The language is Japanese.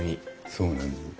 そうなんです。